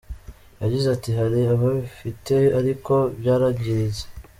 Yagize ati “Hari ababifite ariko byarangiritse.